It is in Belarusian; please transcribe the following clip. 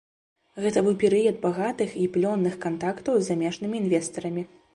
Гэта быў перыяд багатых і плённых кантактаў з замежнымі інвестарамі.